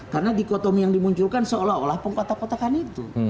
karena dikotomi yang dimunculkan seolah olah pengkotak kotakan itu